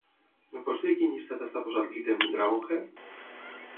Em pots dir a quin llistat està posat l'ítem "Dragonheart"?